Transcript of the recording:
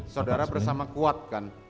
saudara bersama kuat kan